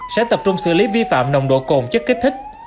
sẽ tập trung xử lý vi phạm nồng độ cồn chất kích thích